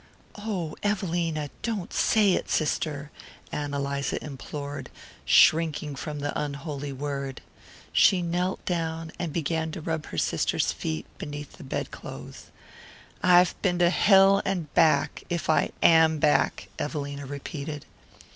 "Oh, Evelina don't say it, sister!" Ann Eliza implored, shrinking from the unholy word. She knelt down and began to rub her sister's feet beneath the bedclothes. "I've been to hell and back if I AM back," Evelina repeated.